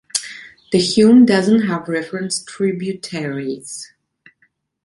The Hume doesn’t have referenced tributaries.